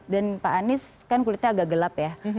dan pak anies kan kulitnya agak gelap ya